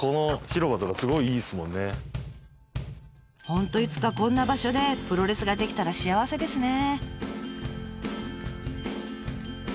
本当いつかこんな場所でプロレスができたら幸せですね。